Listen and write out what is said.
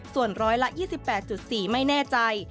ส่วนร้อยละ๒๘๔ไม่แน่ใจ